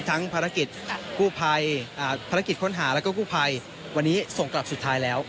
ทั้งภารกิจค้นหาและก็คู่ภัยวันนี้ส่งกลับสุดท้ายแล้ว